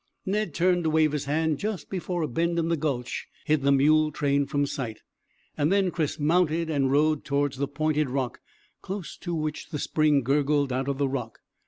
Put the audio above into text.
Ned turned to wave his hand just before a bend in the gulch hid the mule train from sight, and then Chris mounted and rode towards the pointed rock close to which the spring gurgled out of the rock.